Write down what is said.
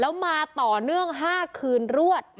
แล้วมาต่อเนื่อง๕คืนรวด